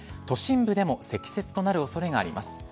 都心部でも積雪となる恐れがあります。